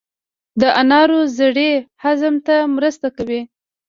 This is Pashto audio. د انارو زړې هضم ته مرسته کوي.